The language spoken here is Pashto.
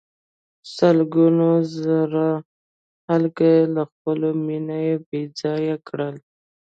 سلګونه زره خلک یې له خپلو مېنو بې ځایه کړل.